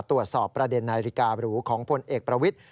ตรวจสอบประเด็นนาฬิการูของพลเอกประวิทธิ